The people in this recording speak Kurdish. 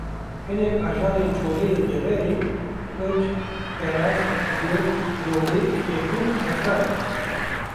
Hinek ajalên çolê yê deverê: hirç, beraz, gur, rovî, kerguh, keftar in